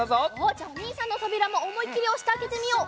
じゃあおにいさんのとびらもおもいきりおしてあけてみよう。